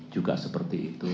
juga seperti itu